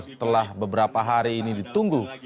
setelah beberapa hari ini ditunggu